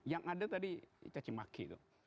yang ada tadi cacimaki itu